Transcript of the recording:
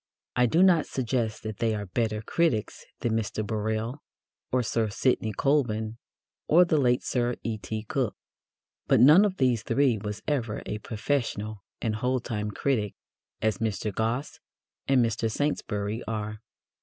I do not suggest that they are better critics than Mr. Birrell or Sir Sidney Colvin or the late Sir E.T. Cook. But none of these three was ever a professional and whole time critic, as Mr. Gosse and Mr. Saintsbury are.